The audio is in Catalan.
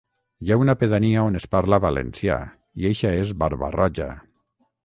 Hi ha una pedania on es parla valencià i eixa és Barba-roja.